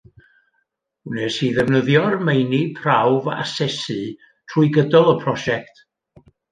Wnes i ddefnyddio'r meini prawf asesu trwy gydol y prosiect.